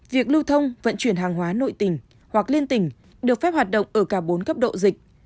việc lưu thông vận chuyển hàng hóa nội tỉnh hoặc liên tỉnh được phép hoạt động ở cả bốn cấp độ dịch